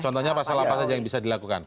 contohnya pasal apa saja yang bisa dilakukan